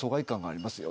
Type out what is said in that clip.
ありますか。